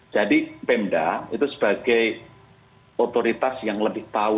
pemda itu sebagai otoritas yang lebih tahu